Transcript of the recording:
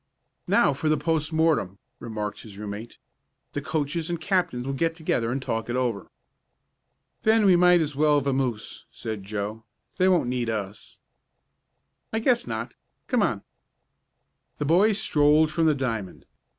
"Now for the post mortem," remarked his room mate. "The coaches and captain will get together and talk it over." "Then we might as well vamoose," said Joe. "They won't need us." "I guess not. Come on." The boys strolled from the diamond.